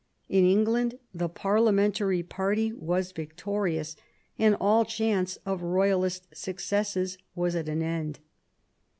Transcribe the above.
In England the Parliamentary party were victorious and all chance of Eoyalist successes was at an end.